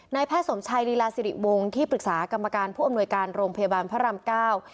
แพทย์สมชัยลีลาสิริวงศ์ที่ปรึกษากรรมการผู้อำนวยการโรงพยาบาลพระรามเก้า